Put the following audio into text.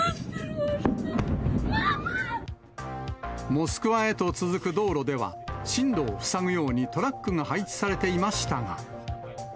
モスクワへと続く道路では、進路を塞ぐようにトラックが配置されていましたが。